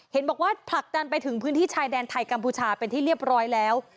เห็นบอกว่าผลักดันไปถึงพื้นที่ชายแดนไทยกัมพูชาเป็นที่เรียบร้อยแล้ว